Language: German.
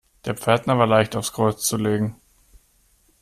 Der Pförtner war leicht aufs Kreuz zu legen.